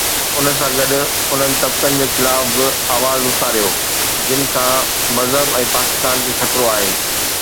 ان سان گڏ انهن طبقن جي خلاف به آواز اٿاريو، جن کان مذهب ۽ پاڪستان کي خطرو آهي.